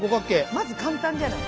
まず簡単じゃない？